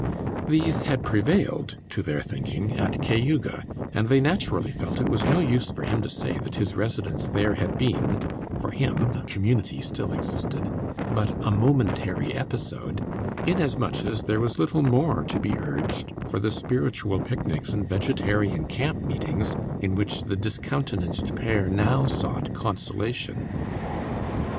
These had prevailed, to their thinking, at Cayuga, and they naturally felt it was no use for him to say that his residence there had been (for him the community still existed) but a momentary episode, inasmuch as there was little more to be urged for the spiritual picnics and vegetarian camp meetings in which the discountenanced pair now sought consolation.